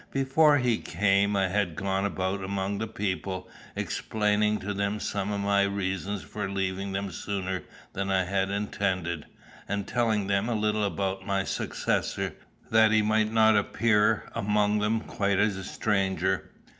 Before he came, I had gone about among the people, explaining to them some of my reasons for leaving them sooner than I had intended, and telling them a little about my successor, that he might not appear among them quite as a stranger.